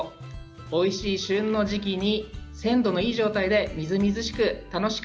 おいしい旬の時期に鮮度のいい状態でみずみずしく